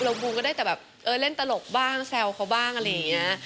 แล้วบูมก็ได้แต่แบบเล่นตลกบ้างเซลล์เขาบ้างอะไรอย่างนี้